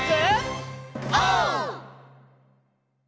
オー！